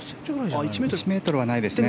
１ｍはないですね